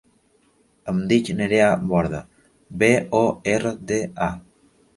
Em dic Nerea Borda: be, o, erra, de, a.